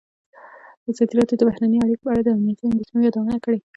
ازادي راډیو د بهرنۍ اړیکې په اړه د امنیتي اندېښنو یادونه کړې.